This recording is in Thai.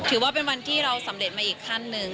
ถือว่าเป็นวันที่เราสำเร็จมาอีกขั้นหนึ่ง